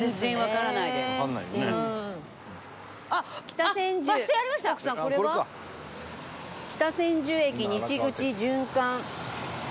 「北千住駅西口循環」。